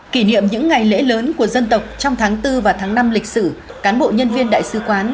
kỷ niệm những ngày lễ lớn của dân tộc trong tháng bốn và tháng năm lịch sử cán bộ nhân viên đại sứ quán